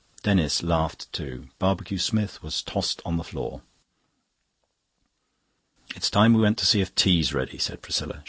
Denis laughed too. Barbecue Smith was tossed on the floor. "It's time we went to see if tea's ready," said Priscilla.